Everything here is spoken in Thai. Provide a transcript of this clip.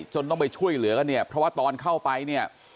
ต้องไปช่วยเหลือกันเนี่ยเพราะว่าตอนเข้าไปเนี่ย